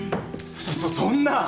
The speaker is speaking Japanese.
そっそんな！